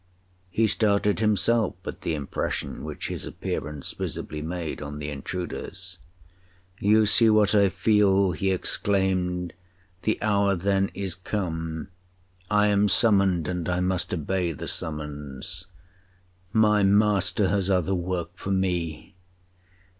He started himself at the impression which his appearance visibly made on the intruders. 'You see what I feel,' he exclaimed, 'the hour then is come. I am summoned, and I must obey the summons—my master has other work for me!